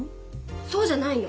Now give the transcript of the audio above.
そうじゃないの。